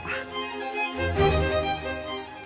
tante frozen sama siapa